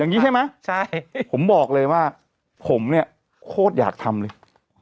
อย่างนี้ใช่ไหมใช่ผมบอกเลยว่าผมเนี่ยโคตรอยากทำเลย